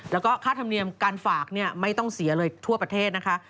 แล้วก็ค่าธรรมเนียมการฝากไม่ต้องเสียเลยทั่วประเทศนะคะ